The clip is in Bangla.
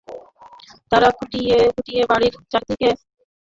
তারা খুঁটিয়ে খুঁটিয়ে বাড়ির চারদিকে খানাতল্লাশি করতে লাগলেন।